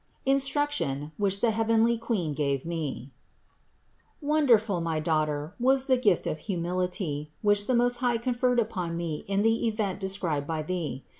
INSTRUCTION, WHICH THE HEAVENLY QuEEN GAVE ME 67. Wonderful, my daughter, was the gift of humil ity, which the Most High conferred upon me in the event described by thee.